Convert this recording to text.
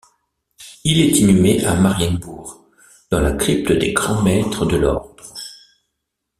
Il est inhumé à Marienbourg, dans la crypte des Grands Maîtres de l'Ordre.